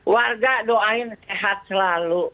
warga doain sehat selalu